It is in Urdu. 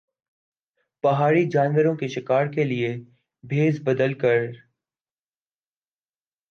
پہاڑی جانوروں کے شکار کے لئے بھیس بدل کر